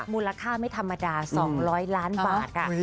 มูลค่าไม่ธรรมดา๒๐๐ล้านบาท